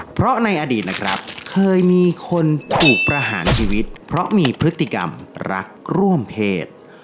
เพราะในอดีตนะครับเคยมีคนถูกประหารชีวิตเพราะมีพฤติกรรมรักร่วมเพศ